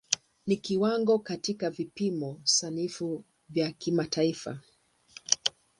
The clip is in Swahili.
Ni kiwango katika vipimo sanifu vya kimataifa.